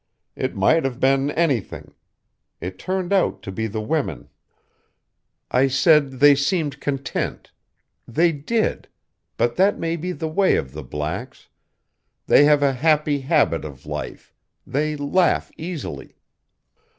"It might have been anything. It turned out to be the women. I said they seemed content. They did. But that may be the way of the blacks. They have a happy habit of life; they laugh easily....